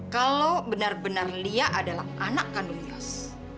kalau benar benar lia adalah anak kandung kios